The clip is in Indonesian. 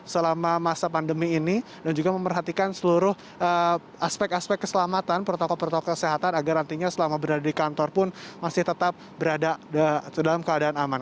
selama masa pandemi ini dan juga memerhatikan seluruh aspek aspek keselamatan protokol protokol kesehatan agar nantinya selama berada di kantor pun masih tetap berada dalam keadaan aman